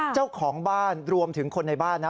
เจ้าของบ้านรวมถึงคนในบ้านนะ